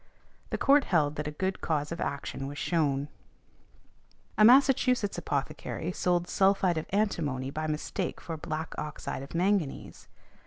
The Court held that a good cause of action was shewn . A Massachusetts apothecary sold sulphide of antimony by mistake for black oxide of manganese.